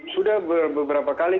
sudah beberapa kali